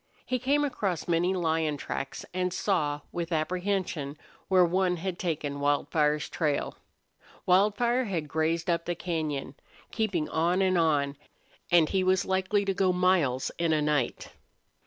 He came across many lion tracks, and saw, with apprehension, where one had taken Wildfire's trail. Wildfire had grazed up the cañon, keeping on and on, and he was likely to go miles in a night.